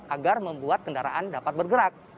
agar membuat kendaraan dapat bergerak